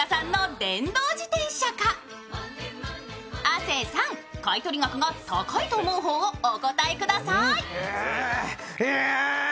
亜生さん、買取額が高いと思う方をお答えください。